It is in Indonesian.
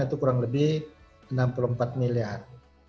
itu kurang lebih enam puluh empat miliar